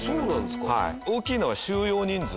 大きいのは収容人数。